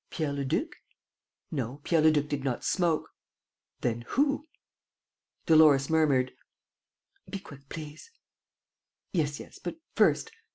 ... Pierre Leduc? No, Pierre Leduc did not smoke. Then who? Dolores murmured: "Be quick, please." "Yes, yes, but first